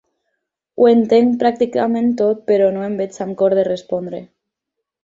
Ho entenc pràcticament tot, però no em veig amb cor de respondre.